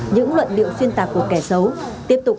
những luận liệu xuyên tạc của kẻ xấu